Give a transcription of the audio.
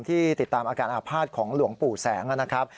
ที่ติดตามอาการอาภาษณ์ของหลวงปู่แสงนะครับ